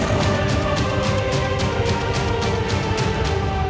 berkoordinasi mengenai ganti rugi dari kerusakan akibat peledakan